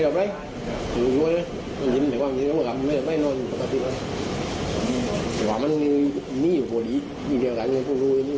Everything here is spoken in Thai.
บ้านหนูมันทำไมมีละกนแล้วเป็นตัวอยอะสัก